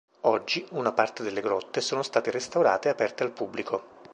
Oggi, una parte delle Grotte sono state restaurate e aperte al pubblico.